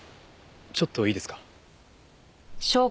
ちょっといいですか？